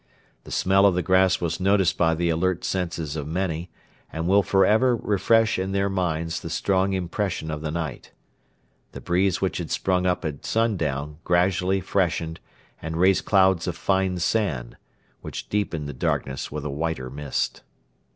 The smell of the grass was noticed by the alert senses of many, and will for ever refresh in their minds the strong impression of the night. The breeze which had sprung up at sundown gradually freshened and raised clouds of fine sand, which deepened the darkness with a whiter mist.